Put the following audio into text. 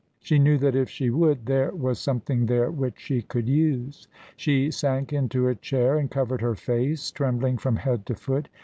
She knew that if she would there was something there which she could use. She sank into a chair and covered her face, trembling from head to foot.